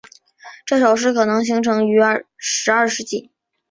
这首诗可能形成于十二世纪。